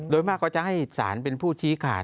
โดยมากก็จะให้สารเป็นผู้ชี้ขาด